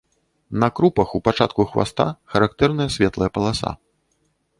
На крупах, у пачатку хваста, характэрная светлая паласа.